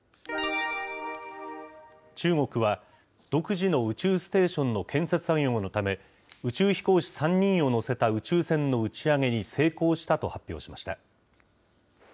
中国は、独自の宇宙ステーションの建設作業のため、宇宙飛行士３人を乗せた宇宙船の打ち上げに成功したと発表しました。